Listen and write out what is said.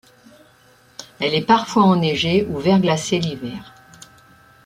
Elle est parfois enneigée ou verglacée l'hiver.